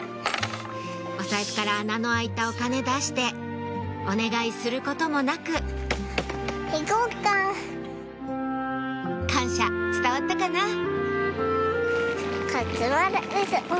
お財布から穴の開いたお金出してお願いすることもなく感謝伝わったかな？